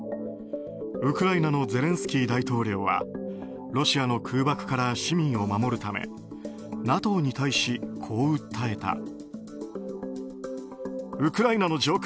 ウクライナのゼレンスキー大統領はロシアの空爆から市民を守るためＮＡＴＯに対し、こう訴えた。